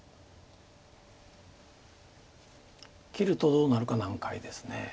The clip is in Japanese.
切るとどうなるか難解です。